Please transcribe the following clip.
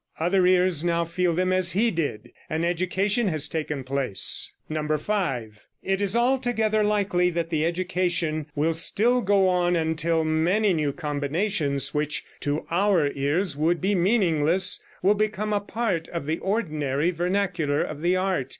Other ears now feel them as he did. An education has taken place. 5. It is altogether likely that the education will still go on until many new combinations which to our ears would be meaningless will become a part of the ordinary vernacular of the art.